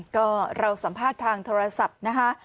ก็เราสัมภาษณ์ทางโทรศัพท์นะคะ